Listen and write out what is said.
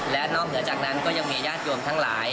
และนอกเหนือจากนั้นก็ยังมีญาติโยมทั้งหลาย